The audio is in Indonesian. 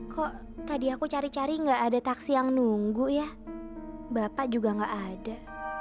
kok tadi aku cari cari nggak ada taksi yang nunggu ya bapak juga gak ada